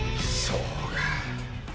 そうか。